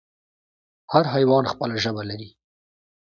هر حیوان خپله ژبه لري